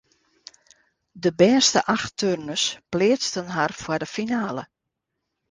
De bêste acht turners pleatsten har foar de finale.